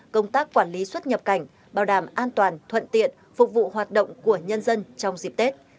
công tác quản lý xuất nhập cảnh bảo đảm an toàn thuận tiện phục vụ hoạt động của nhân dân trong dịp tết